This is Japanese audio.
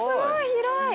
広い！